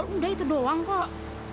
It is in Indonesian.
udah itu doang kok